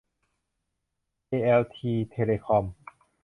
เอแอลที เทเลคอม